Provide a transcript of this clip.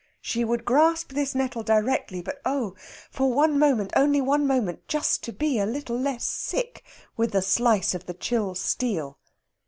She would grasp this nettle directly; but oh, for one moment only one moment just to be a little less sick with the slice of the chill steel!